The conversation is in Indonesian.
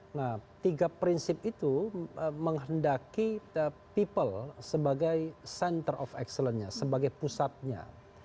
nah tiga prinsip itu menghendaki people sebagai center of excellence nya sebagai pusatnya